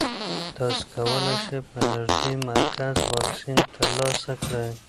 تاسو کولی شئ په نږدې مرکز واکسین ترلاسه کړئ.